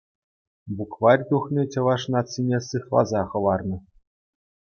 Букварь тухни чӑваш нацине сыхласа хӑварнӑ.